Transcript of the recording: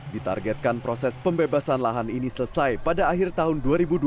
ditargetkan proses pembebasan lahan ini selesai pada akhir tahun dua ribu dua puluh